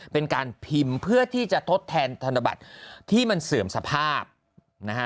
เป็นการพิมพ์เพื่อที่จะทดแทนธนบัตรที่มันเสื่อมสภาพนะฮะ